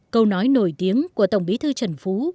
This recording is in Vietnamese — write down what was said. câu nói nổi tiếng của tổng bí thư trần phú